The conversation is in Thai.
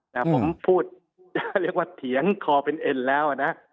แต่ผมพูดจะเรียกว่าเถียงคอเป็นเอ็นแล้วนะ